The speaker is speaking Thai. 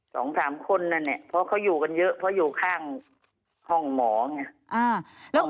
๒๓คนนะเนี่ยเพราะเขาอยู่กันเยอะเพราะอยู่ข้างห้องหมอเนี่ย